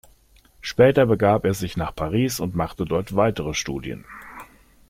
Später begab er sich nach Paris und machte dort weitere Studien.